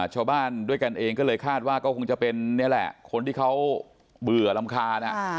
ชาวบ้านด้วยกันเองก็เลยคาดว่าก็คงจะเป็นนี่แหละคนที่เขาเบื่อรำคาญ